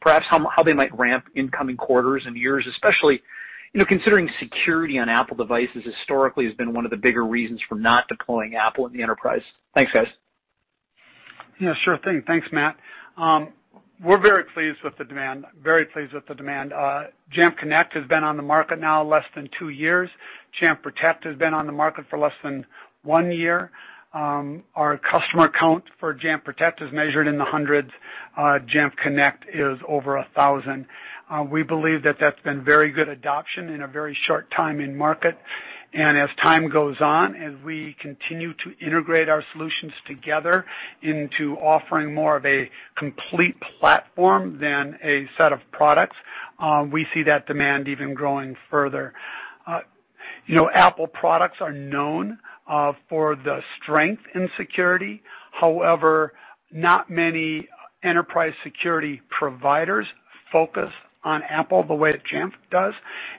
perhaps how they might ramp in coming quarters and years, especially considering security on Apple devices historically has been one of the bigger reasons for not deploying Apple in the enterprise? Thanks, guys. Yeah, sure thing. Thanks, Matt. We're very pleased with the demand. Jamf Connect has been on the market now less than two years, Jamf Protect has been on the market for less than one year. Our customer count for Jamf Protect is measured in the hundreds, Jamf Connect is over 1,000. We believe that's been very good adoption in a very short time in market. As time goes on, as we continue to integrate our solutions together into offering more of a complete platform than a set of products, we see that demand even growing further. Apple products are known for the strength in security. However, not many enterprise security providers focus on Apple the way that Jamf does.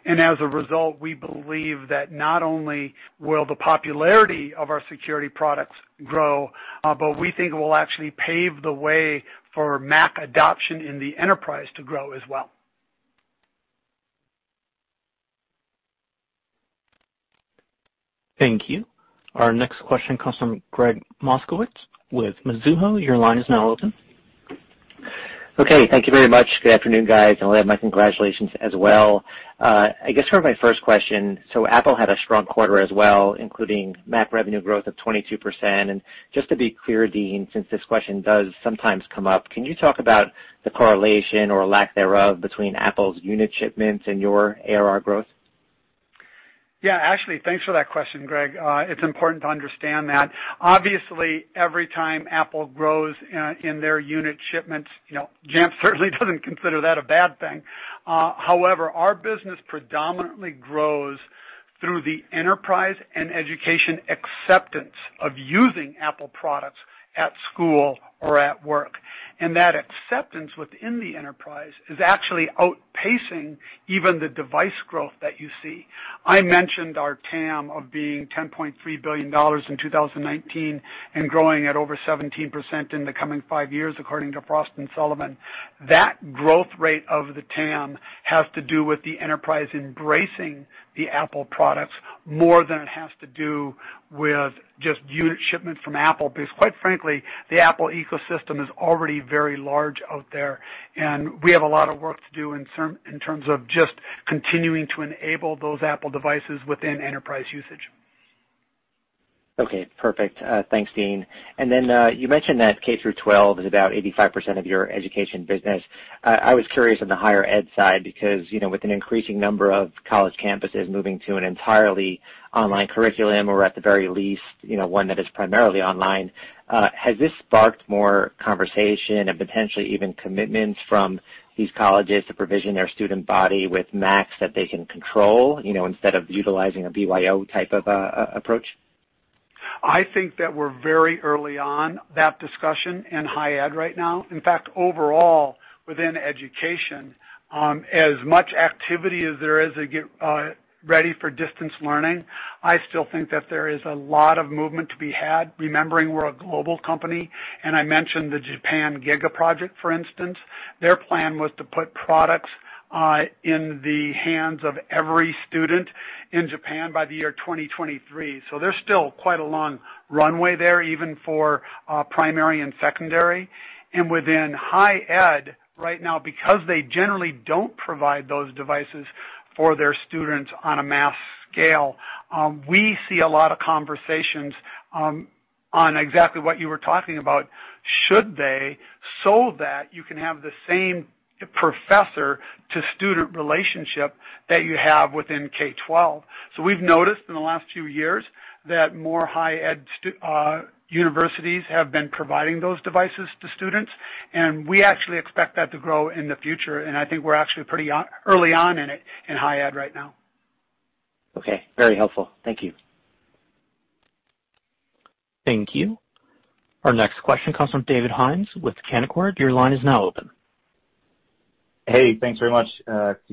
As a result, we believe that not only will the popularity of our security products grow, but we think it will actually pave the way for Mac adoption in the enterprise to grow as well. Thank you. Our next question comes from Gregg Moskowitz with Mizuho. Your line is now open. Okay, thank you very much. Good afternoon, guys, and I'll add my congratulations as well. I guess for my first question, Apple had a strong quarter as well, including Mac revenue growth of 22%. Just to be clear, Dean, since this question does sometimes come up, can you talk about the correlation or lack thereof between Apple's unit shipments and your ARR growth? Yeah, actually, thanks for that question, Gregg. It's important to understand that. Obviously, every time Apple grows in their unit shipments, Jamf certainly doesn't consider that a bad thing. However, our business predominantly grows through the enterprise and education acceptance of using Apple products at school or at work. That acceptance within the enterprise is actually outpacing even the device growth that you see. I mentioned our TAM of being $10.3 billion in 2019 and growing at over 17% in the coming five years, according to Frost & Sullivan. That growth rate of the TAM has to do with the enterprise embracing the Apple products more than it has to do with just unit shipments from Apple. Quite frankly, the Apple ecosystem is already very large out there, and we have a lot of work to do in terms of just continuing to enable those Apple devices within enterprise usage. Okay, perfect. Thanks, Dean. You mentioned that K-12 is about 85% of your education business. I was curious on the higher ed side, because with an increasing number of college campuses moving to an entirely online curriculum or at the very least, one that is primarily online, has this sparked more conversation and potentially even commitments from these colleges to provision their student body with Macs that they can control, instead of utilizing a BYO type of approach? I think that we're very early on that discussion in higher ed right now. In fact, overall, within education, as much activity as there is to get ready for distance learning, I still think that there is a lot of movement to be had, remembering we're a global company, and I mentioned the Japan GIGA project, for instance. Their plan was to put products in the hands of every student in Japan by the year 2023. There's still quite a long runway there, even for primary and secondary. Within higher ed right now, because they generally don't provide those devices for their students on a mass scale, we see a lot of conversations on exactly what you were talking about, should they, so that you can have the same professor-to-student relationship that you have within K-12. We've noticed in the last few years that more higher ed universities have been providing those devices to students, and we actually expect that to grow in the future, and I think we're actually pretty early on in it in higher ed right now. Okay, very helpful. Thank you. Thank you. Our next question comes from David Hynes with Canaccord. Your line is now open. Hey, thanks very much.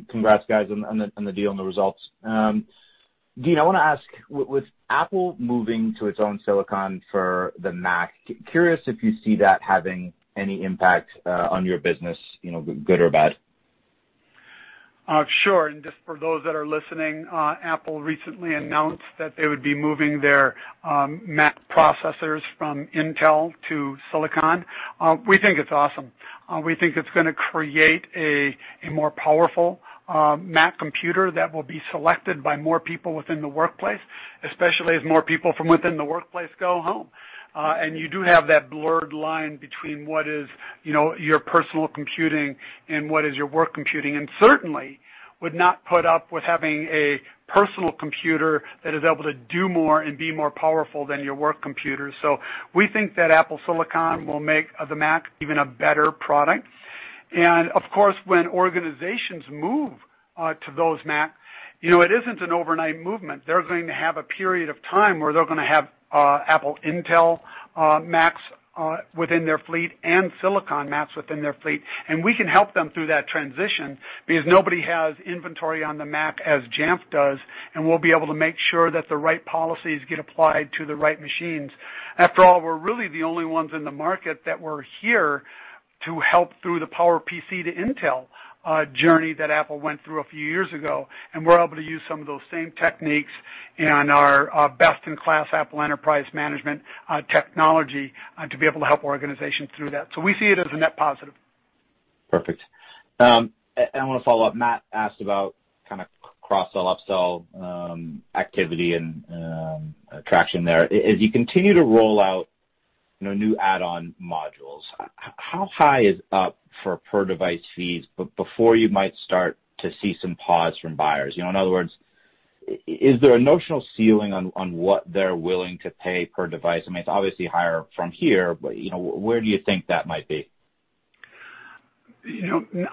Congrats, guys, on the deal and the results. Dean, I want to ask, with Apple moving to its own Silicon for the Mac, curious if you see that having any impact on your business, good or bad? Sure. Just for those that are listening, Apple recently announced that they would be moving their Mac processors from Intel to Silicon. We think it's awesome. We think it's going to create a more powerful Mac computer that will be selected by more people within the workplace, especially as more people from within the workplace go home. You do have that blurred line between what is your personal computing and what is your work computing, and certainly would not put up with having a personal computer that is able to do more and be more powerful than your work computer. We think that Apple Silicon will make the Mac even a better product. Of course, when organizations move to those Mac, it isn't an overnight movement. They're going to have a period of time where they're going to have Apple Intel Macs within their fleet and Silicon Macs within their fleet. We can help them through that transition, because nobody has inventory on the Mac as Jamf does, and we'll be able to make sure that the right policies get applied to the right machines. After all, we're really the only ones in the market that were here to help through the PowerPC to Intel journey that Apple went through a few years ago, and we're able to use some of those same techniques and our best-in-class Apple Enterprise Management technology to be able to help organizations through that. We see it as a net positive. Perfect. I want to follow up, Matt asked about kind of cross-sell/upsell activity and traction there. As you continue to roll out new add-on modules, how high is up for per-device fees before you might start to see some pause from buyers? In other words, is there a notional ceiling on what they're willing to pay per device? I mean, it's obviously higher from here, but where do you think that might be?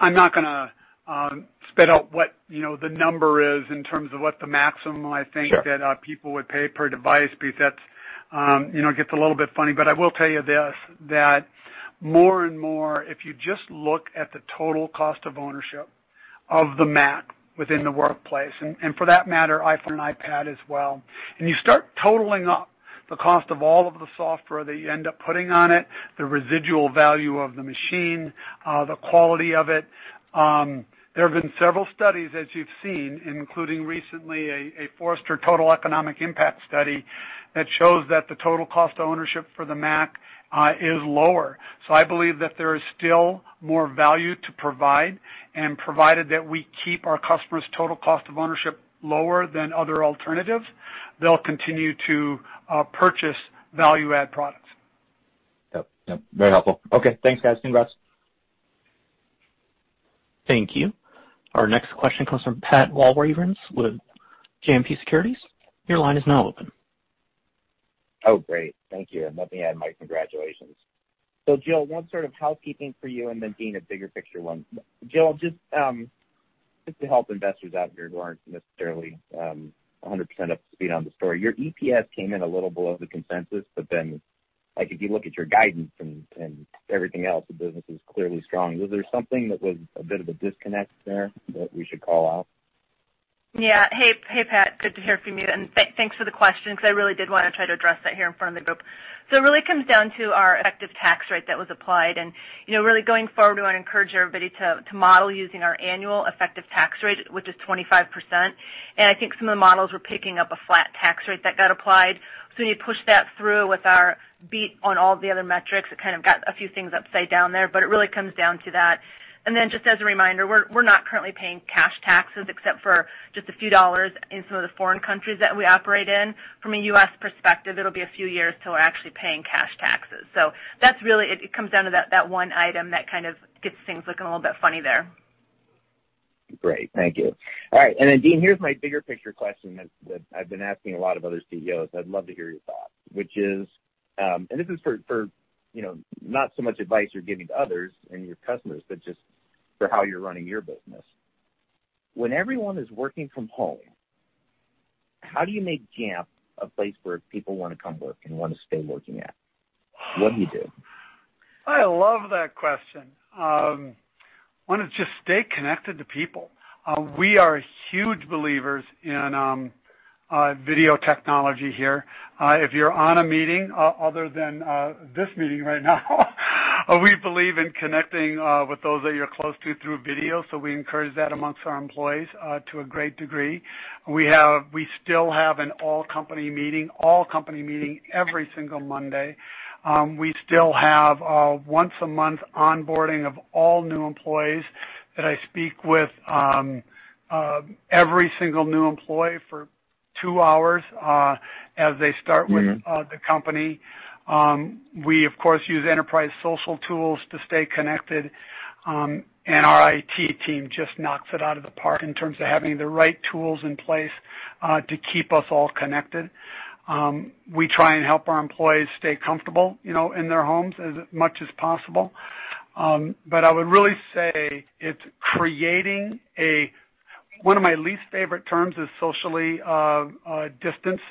I'm not going to spit out what the number is in terms of what the maximum I think. Sure that people would pay per device, because it gets a little bit funny. I will tell you this, that more and more, if you just look at the total cost of ownership of the Mac within the workplace, and for that matter, iPhone and iPad as well, and you start totaling up the cost of all of the software that you end up putting on it, the residual value of the machine, the quality of it. There have been several studies, as you've seen, including recently a Forrester Total Economic Impact study, that shows that the total cost of ownership for the Mac is lower. I believe that there is still more value to provide, and provided that we keep our customers' total cost of ownership lower than other alternatives, they'll continue to purchase value-add products. Yep, very helpful. Okay, thanks, guys. Congrats. Thank you. Our next question comes from Pat Walravens with JMP Securities. Your line is now open. Great, thank you. Let me add my congratulations. Jill, one sort of housekeeping for you, and then Dean, a bigger picture one. Jill, just to help investors out here who aren't necessarily 100% up to speed on the story, your EPS came in a little below the consensus, if you look at your guidance and everything else, the business is clearly strong. Was there something that was a bit of a disconnect there that we should call out? Hey, Pat. Thanks for the question, because I really did want to try to address that here in front of the group. It really comes down to our effective tax rate that was applied. Really going forward, we want to encourage everybody to model using our annual effective tax rate, which is 25%. I think some of the models were picking up a flat tax rate that got applied. You push that through with our beat on all the other metrics. It kind of got a few things upside down there, but it really comes down to that. Just as a reminder, we're not currently paying cash taxes except for just a few dollars in some of the foreign countries that we operate in. From a U.S. perspective, it'll be a few years till we're actually paying cash taxes. That's really it. It comes down to that one item that kind of gets things looking a little bit funny there. Great, thank you. All right. Dean, here's my bigger picture question that I've been asking a lot of other CEOs. I'd love to hear your thoughts. This is for not so much advice you're giving to others and your customers, but just for how you're running your business. When everyone is working from home, how do you make Jamf a place where people want to come work and want to stay working at? What do you do? I love that question. One is just stay connected to people. We are huge believers in video technology here. If you're on a meeting other than this meeting right now, we believe in connecting with those that you're close to through video. We encourage that amongst our employees to a great degree. We still have an all-company meeting every single Monday. We still have a once-a-month onboarding of all new employees that I speak with every single new employee for two hours as they start with the company. We, of course, use enterprise social tools to stay connected. Our IT team just knocks it out of the park in terms of having the right tools in place to keep us all connected. We try and help our employees stay comfortable in their homes as much as possible. One of my least favorite terms is socially distanced.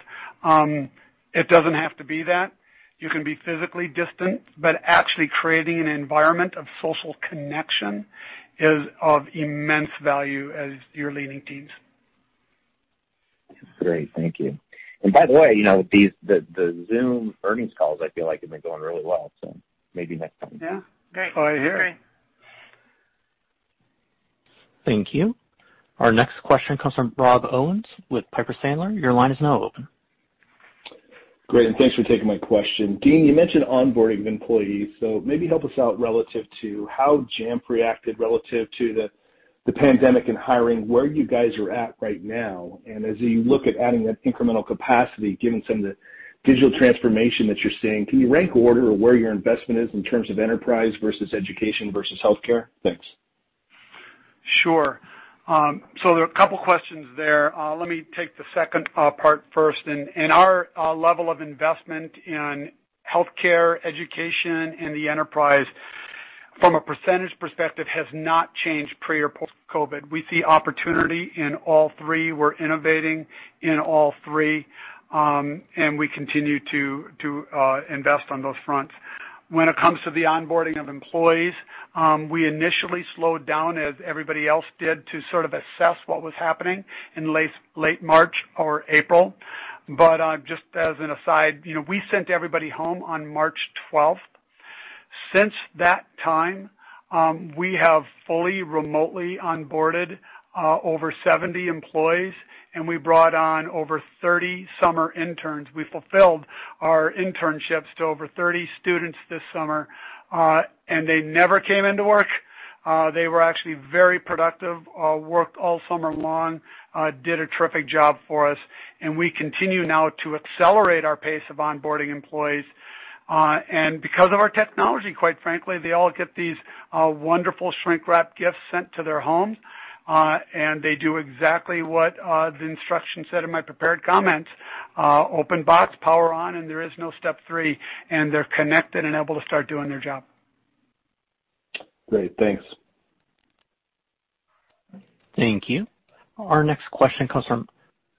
It doesn't have to be that. You can be physically distant, but actually creating an environment of social connection is of immense value as you're leading teams. That's great, thank you. By the way, the Zoom earnings calls, I feel like, have been going really well, so maybe next time. Yeah, great. All right, hear it. Thank you. Our next question comes from Rob Owens with Piper Sandler. Your line is now open. Great, thanks for taking my question. Dean, you mentioned onboarding of employees, so maybe help us out relative to how Jamf reacted relative to the pandemic and hiring, where you guys are at right now. As you look at adding that incremental capacity, given some of the digital transformation that you're seeing, can you rank order where your investment is in terms of enterprise versus education versus healthcare? Thanks. Sure. There are a couple questions there. Let me take the second part first. Our level of investment in healthcare, education, and the enterprise from a percentage perspective has not changed pre or post-COVID. We see opportunity in all three, we're innovating in all three, and we continue to invest on those fronts. When it comes to the onboarding of employees, we initially slowed down, as everybody else did, to sort of assess what was happening in late March or April. Just as an aside, we sent everybody home on March 12. Since that time, we have fully remotely onboarded over 70 employees, and we brought on over 30 summer interns. We fulfilled our internships to over 30 students this summer, and they never came into work. They were actually very productive, worked all summer long, did a terrific job for us. We continue now to accelerate our pace of onboarding employees. Because of our technology, quite frankly, they all get these wonderful shrink-wrapped gifts sent to their homes, and they do exactly what the instructions said in my prepared comments. Open box, power on, and there is no step three. They're connected and able to start doing their job. Great, thanks. Thank you. Our next question comes from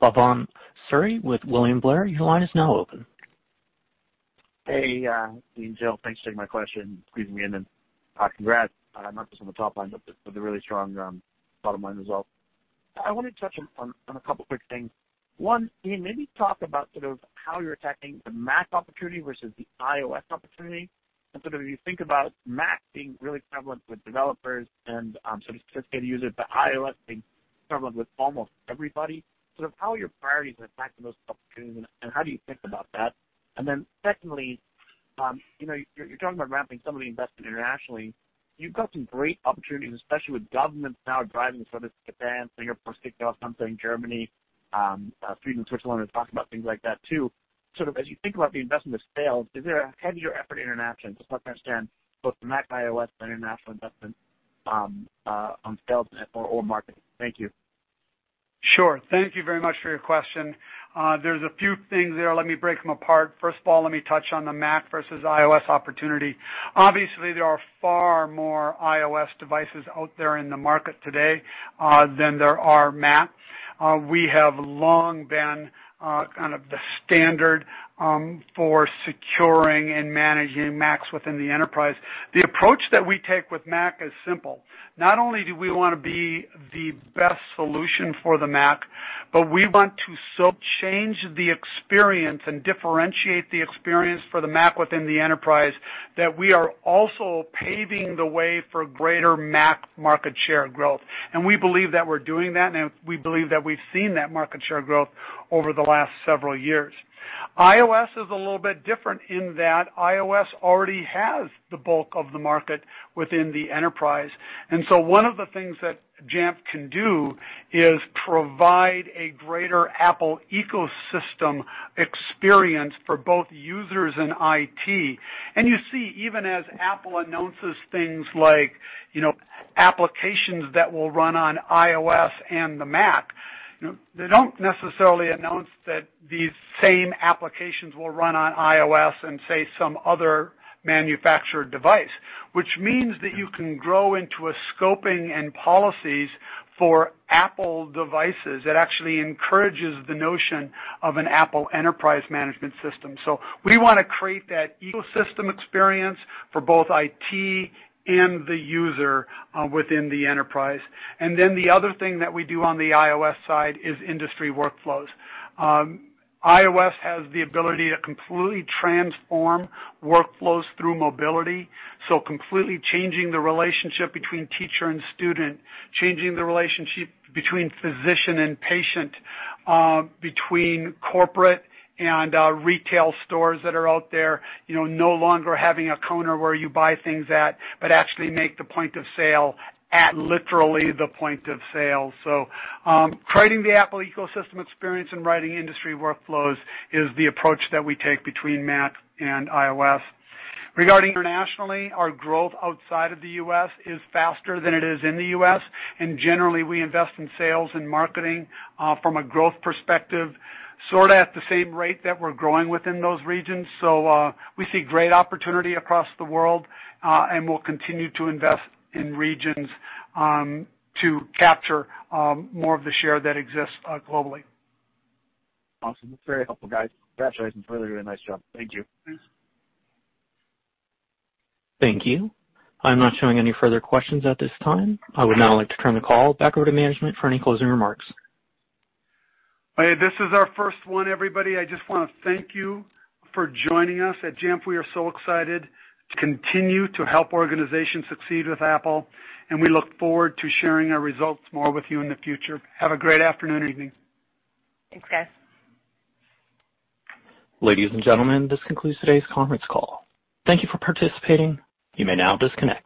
Bhavan Suri with William Blair. Your line is now open. Hey, Dean, Jill. Thanks for taking my question, squeezing me in, and congrats not just on the top line, but the really strong bottom-line result. I wanted to touch on a couple of quick things. One, Dean, maybe talk about sort of how you're attacking the Mac opportunity versus the iOS opportunity, and sort of you think about Mac being really prevalent with developers and sort of sophisticated users, but iOS being prevalent with almost everybody. Sort of how are your priorities impacting those opportunities, and how do you think about that? Then secondly, you're talking about ramping some of the investment internationally. You've got some great opportunities, especially with governments now driving for this demand. You're seeing it in Germany, Sweden and Switzerland are talking about things like that, too. Just help understand both the Mac, iOS, and international investment on sales or marketing. Thank you. Sure, thank you very much for your question. There's a few things there, let me break them apart. First of all, let me touch on the Mac versus iOS opportunity. Obviously, there are far more iOS devices out there in the market today than there are Mac. We have long been kind of the standard for securing and managing Macs within the enterprise. The approach that we take with Mac is simple. Not only do we want to be the best solution for the Mac, but we want to so change the experience and differentiate the experience for the Mac within the enterprise, that we are also paving the way for greater Mac market share growth. We believe that we're doing that, and we believe that we've seen that market share growth over the last several years. iOS is a little bit different in that iOS already has the bulk of the market within the enterprise. One of the things that Jamf can do is provide a greater Apple ecosystem experience for both users and IT. You see, even as Apple announces things like applications that will run on iOS and the Mac, they don't necessarily announce that these same applications will run on iOS and, say, some other manufactured device. Which means that you can grow into a scoping and policies for Apple devices that actually encourages the notion of an Apple Enterprise Management system. We want to create that ecosystem experience for both IT and the user within the enterprise. The other thing that we do on the iOS side is industry workflows. iOS has the ability to completely transform workflows through mobility, so completely changing the relationship between teacher and student, changing the relationship between physician and patient, between corporate and retail stores that are out there. No longer having a counter where you buy things at, but actually make the point of sale at literally the point of sale. Creating the Apple ecosystem experience and writing industry workflows is the approach that we take between Mac and iOS. Regarding internationally, our growth outside of the U.S. is faster than it is in the U.S., and generally, we invest in sales and marketing from a growth perspective, sort of at the same rate that we're growing within those regions. We see great opportunity across the world, and we'll continue to invest in regions to capture more of the share that exists globally. Awesome, that's very helpful, guys. Congratulations. Really, really nice job, thank you. Thanks. Thank you. I'm not showing any further questions at this time. I would now like to turn the call back over to management for any closing remarks. Hey, this is our first one, everybody. I just want to thank you for joining us. At Jamf, we are so excited to continue to help organizations succeed with Apple. We look forward to sharing our results more with you in the future. Have a great afternoon, evening. Thanks, guys. Ladies and gentlemen, this concludes today's conference call. Thank you for participating. You may now disconnect.